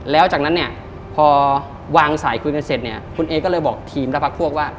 แล้วจากนั้นเนี่ยพอวางสายคุยกันเสร็จเนี่ยคุณเอก็เลยบอกทีมและพักพวกว่า